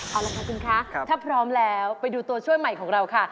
เอาละค่ะคุณคะถ้าพร้อมแล้วไปดูตัวช่วยใหม่ของเราค่ะ